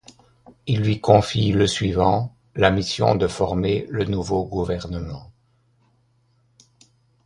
Il lui confie le suivant la mission de former le nouveau gouvernement.